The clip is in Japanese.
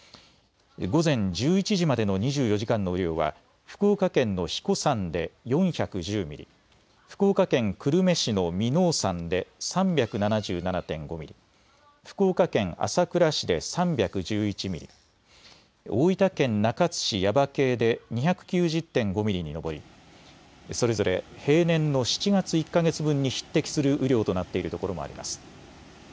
午前１１時までの２４時間の雨量は福岡県の英彦山で４１０ミリ、福岡県久留米市の耳納山で３７７．５ミリ、福岡県朝倉市で３１１ミリ、大分県中津市耶馬溪で２９０．５ミリに上りそれぞれ平年の７月１か月分に匹敵する雨量となっているところもあります。